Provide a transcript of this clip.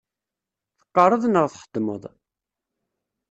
Teqqareḍ neɣ txeddmeḍ?